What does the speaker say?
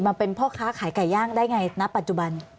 มาเป็นพ่อค้าขายไก่ย่างได้ไงณปัจจุบัน